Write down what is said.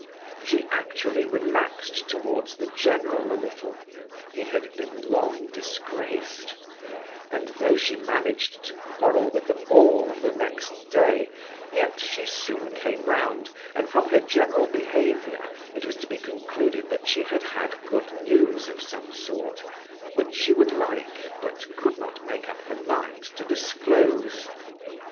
She actually relaxed towards the general a little—he had been long disgraced—and though she managed to quarrel with them all the next day, yet she soon came round, and from her general behaviour it was to be concluded that she had had good news of some sort, which she would like, but could not make up her mind, to disclose.